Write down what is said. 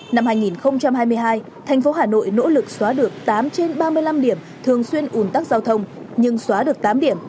năm hai nghìn hai mươi hai thành phố hà nội nỗ lực xóa được tám trên ba mươi năm điểm thường xuyên ủn tắc giao thông nhưng xóa được tám điểm